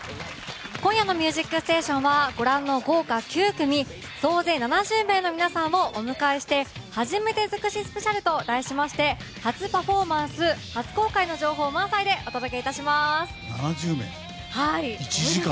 今夜の「ミュージックステーション」はご覧の豪華９組総勢７０名の皆さんをお迎えして初めて尽くしスペシャルと題しまして初パフォーマンス初公開の情報満載で７０名、１時間。